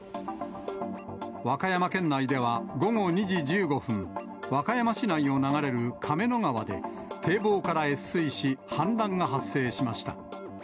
和歌山県内では、午後２時１５分、和歌山市内を流れる亀の川で、堤防から越水し、氾濫が発生しました。